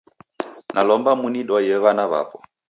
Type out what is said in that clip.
Nalomba munidwaye wana wapo